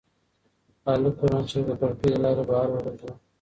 هلک قرانشریف د کړکۍ له لارې بهر وغورځاوه.